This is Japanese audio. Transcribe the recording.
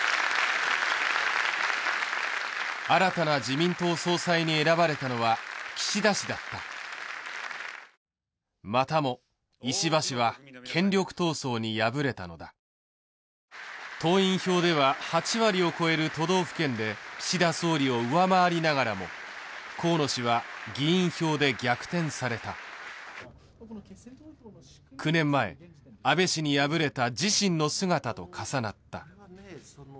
新たな自民党総裁に選ばれたのは岸田氏だったまたも石破氏は権力闘争に敗れたのだ党員票では８割を超える都道府県で岸田総理を上回りながらも河野氏は議員票で逆転された９年前安倍氏に敗れた自身の姿と重なった・